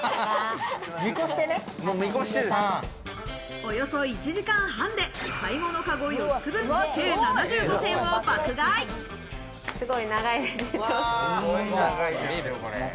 およそ１時間半で買い物カゴ、４つ分、計７５点を爆買い。